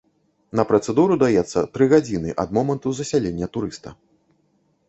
На працэдуру даецца тры гадзіны ад моманту засялення турыста.